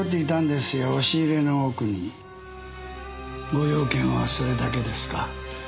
ご用件はそれだけですか？